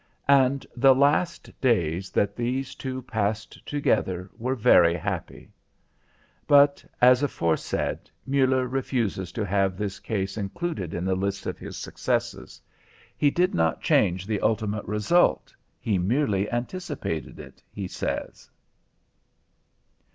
And the last days that these two passed together were very happy. But as aforesaid, Muller refuses to have this case included in the list of his successes. He did not change the ultimate result, he merely anticipated it, he says.